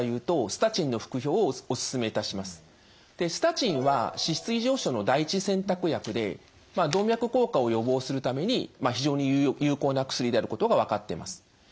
スタチンは脂質異常症の第一選択薬で動脈硬化を予防するために非常に有効な薬であることが分かってます。